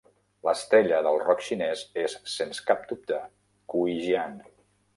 L'estrella del rock xinés és, sens cap dubte, Cui Jian.